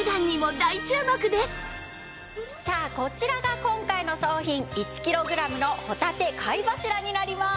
さあこちらが今回の商品１キログラムのほたて貝柱になります。